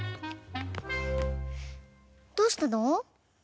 どうしたの？